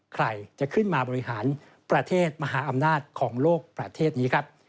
ใครจะขึ้นมาบริหารประเทศมหาอำนาจของโลกประเทศนี้ครับ